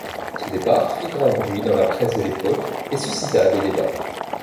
Ce départ fit grand bruit dans la presse de l'époque et suscita des débats.